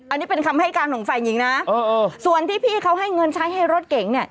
อันนี้เป็นคำให้การของฝ่ายหญิงนะส่วนที่พี่เขาให้เงินใช้ให้รถเก๋งเนี่ย